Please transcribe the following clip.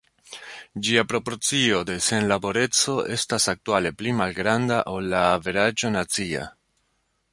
Ĝia proporcio de senlaboreco estas aktuale pli malgranda ol la averaĝo nacia.